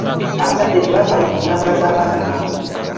Abazadde tebafaayo ku ntambula z'abaana baabwe.